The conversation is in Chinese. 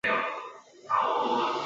释出多达九百一十个职缺